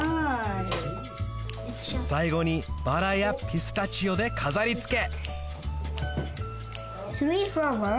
さいごにバラやピスタチオでかざりつけ！